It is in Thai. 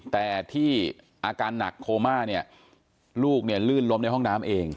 แต่ที่อาการหนักโคม่าเนี่ยลูกเนี่ยลื่นล้มในห้องน้ำเอง